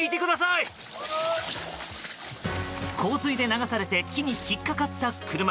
洪水で流されて木に引っかかった車。